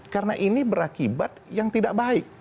karena ini berakibat yang tidak baik